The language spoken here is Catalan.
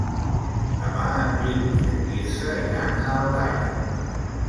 Demà en Milos i en Quirze iran a Aldaia.